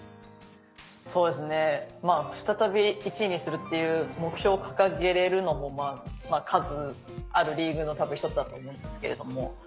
そうですね「再び１位にする」っていう目標を掲げれるのも数あるリーグの多分１つだと思うんですけれども。